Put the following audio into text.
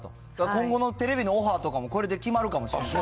今後のテレビのオファーとかも、これで決まるかもしれない。